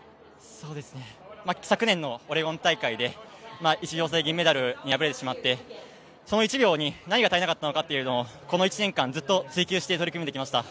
昨年のオレゴン大会で１秒差で銀メダルに敗れてしまってその１秒に何が足りなかったのかというのを、この１年ずっと追求して取り組んできました。